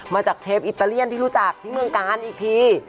มาจากเชฟอิตาเลียนที่รู้จักที่เมืองกาลอีกที